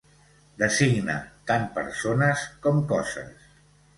Designa tant persones com coses.